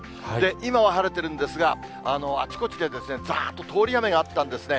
今は晴れてるんですが、あちこちで、ざーっと通り雨があったんですね。